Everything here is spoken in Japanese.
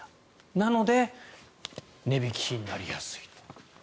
なので値引き品になりやすいと。